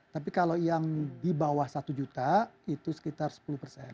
tapi kalau yang di bawah satu juta itu sekitar sepuluh persen